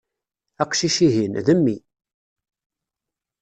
Aqcic-ihin, d mmi.